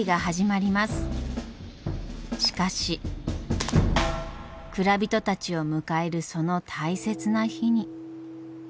しかし蔵人たちを迎えるその大切な日に。